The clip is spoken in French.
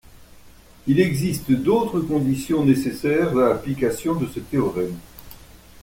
Il existe d'autres conditions nécessaires à l'application de ce théorème